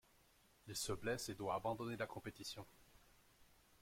Il se blesse et doit abandonner la compétition.